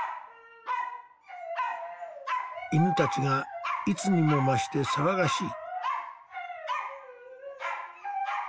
犬たちがいつにも増して騒がしい。